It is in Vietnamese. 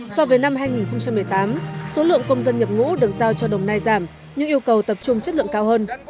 so với năm hai nghìn một mươi tám số lượng công dân nhập ngũ được giao cho đồng nai giảm nhưng yêu cầu tập trung chất lượng cao hơn